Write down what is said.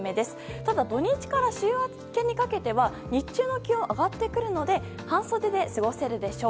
ただ、土日から週明けにかけては日中の気温は上がってくるので半袖で過ごせるでしょう。